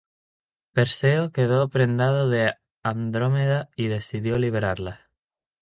Perseo quedó prendado de Andrómeda y decidió liberarla.